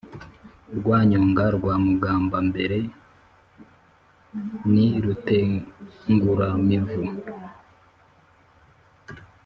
Rwanyonga rwa Mugambambere ni Rutenguramivu